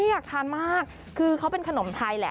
อยากทานมากคือเขาเป็นขนมไทยแหละ